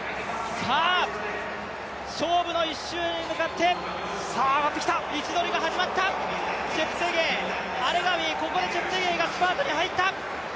勝負の１周に向かって、位置取りが始まった、チェプテゲイアレガウィ、ここでチェプテゲイがスパートに入った！